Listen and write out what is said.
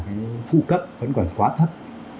ưu cấp vẫn còn quá thấp